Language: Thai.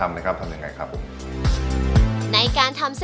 อันนี้คือน้ำตาล